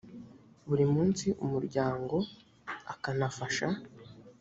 buri munsi umuryango akanafasha.